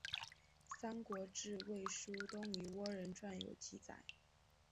三国志魏书东夷倭人传有记述。